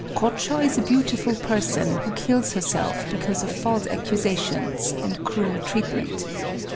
Kochō is a beautiful person who kills herself because of false accusations and cruel treatment.